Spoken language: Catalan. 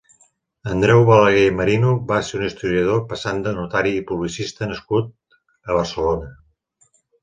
Andreu Balaguer i Merino va ser un historiador, passant de notari i publicista nascut a Barcelona.